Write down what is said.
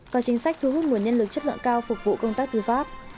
có chính sách thu hút nguồn nhân lực chất lượng cao phục vụ công tác tư pháp